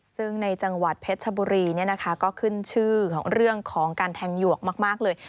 ซึ่งในจังหวัดเพชรชบุรีก็ขึ้นชื่อของเรื่องของการแทงหยวกมากเลย